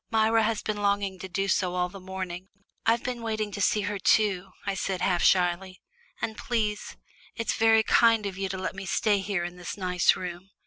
"Myra has been longing to do so all the morning." "I've been wanting to see her too," I said, half shyly. "And please it's very kind of you to let me stay here in this nice room.